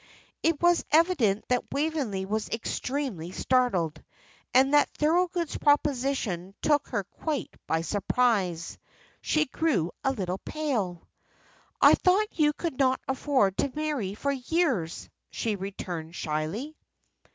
It was evident that Waveney was extremely startled, and that Thorold's proposition took her quite by surprise. She grew a little pale. "I thought you could not afford to marry for years," she returned, shyly.